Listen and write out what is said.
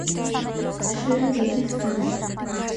ხშირად ადის ხეზე.